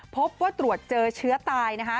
พบว่าตรวจเจอเชื้อตายนะคะ